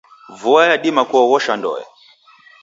Vua yadima kuoghosha ndoe.